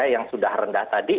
yang sudah rendah tadi